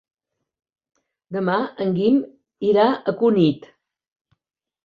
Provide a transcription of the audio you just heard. Demà en Guim irà a Cunit.